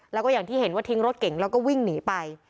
แล้วก็อย่างที่เห็นว่าทิ้งรถเก่งแล้วก็วิ่งหนีไป